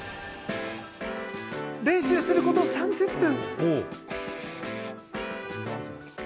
練習すること３０分。